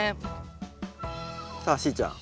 さあしーちゃん